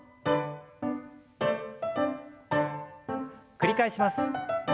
繰り返します。